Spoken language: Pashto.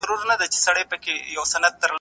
شېرينې! مرگ زموږ پر ژوند باندې وا وا وايي